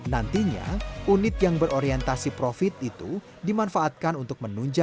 nantinya unit yang berorientasi profit itu dimanfaatkan untuk menunjang